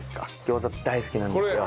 餃子大好きなんですよ。